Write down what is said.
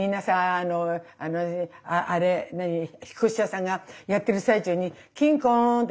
あのあれ何引っ越し屋さんがやってる最中にキンコーンって鳴ったの。